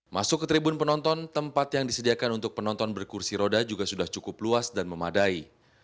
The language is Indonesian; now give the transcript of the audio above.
masuk ke tribun penonton tempat yang disediakan untuk penonton berkursi roda juga sudah cukup luas dan memadai